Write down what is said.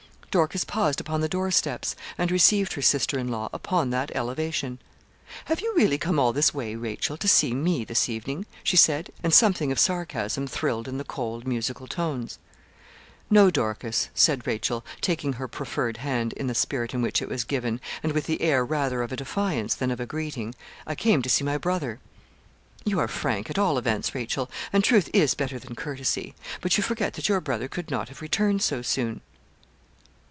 Dorcas paused upon the door steps, and received her sister in law upon that elevation. 'Have you really come all this way, Rachel, to see me this evening?' she said, and something of sarcasm thrilled in the cold, musical tones. 'No, Dorcas,' said Rachel, taking her proffered hand in the spirit in which it was given, and with the air rather of a defiance than of a greeting; 'I came to see my brother.' 'You are frank, at all events, Rachel, and truth is better than courtesy; but you forget that your brother could not have returned so soon.'